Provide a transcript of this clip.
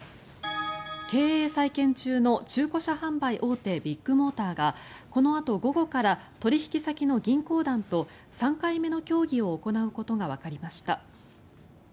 経営再建中の中古車販売大手ビッグモーターがこのあと午後から取引先の銀行団と３回目の協議を行うことがわかりました。